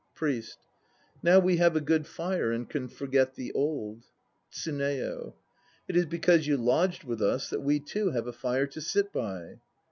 PRIEST. Now we have a good fire and can forget the cold. TSUNEYO. It is because you lodged with us that we too have a fire to sit by.